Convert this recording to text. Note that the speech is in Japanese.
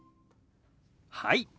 はい。